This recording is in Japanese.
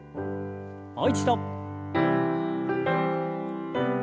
もう一度。